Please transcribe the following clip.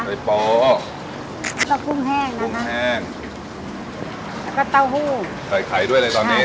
โป๊ก็กุ้งแห้งนะคะแห้งแล้วก็เต้าหู้ใส่ไข่ด้วยเลยตอนนี้